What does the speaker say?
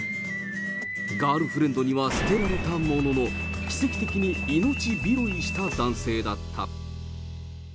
ガールフレンドには捨てられたものの、奇跡的に命拾いした男性だった。